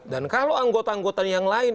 dan kalau anggota anggota yang lain